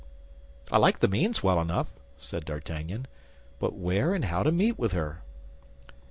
'" "I like the means well enough," said D'Artagnan, "but where and how to meet with her?"